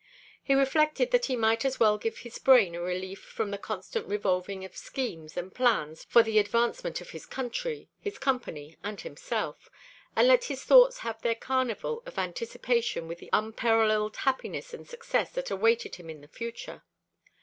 He reflected that he might as well give his brain a relief from the constant revolving of schemes and plans for the advancement of his country, his company, and himself, and let his thoughts have their carnival of anticipation with the unparalleled happiness and success that awaited him in the future.